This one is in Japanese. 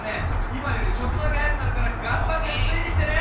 いまよりちょっとだけはやくなるからがんばってついてきてね。